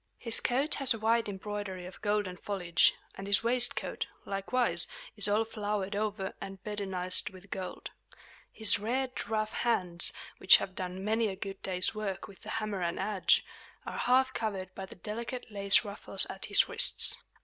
His coat has a wide embroidery of golden foliage; and his waistcoat, likewise, is all flowered over and bedizened with gold. His red, rough hands, which have done many a good day's work with the hammer and adze, are half covered by the delicate lace ruffles at his wrists.